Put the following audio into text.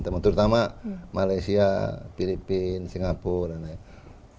terutama malaysia filipina singapura dan lain lain